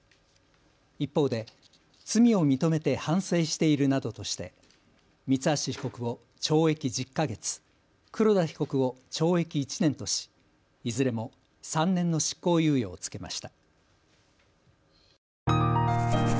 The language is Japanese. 一方で罪を認めて反省しているなどとして三橋被告を懲役１０か月、黒田被告を懲役１年としいずれも３年の執行猶予を付けました。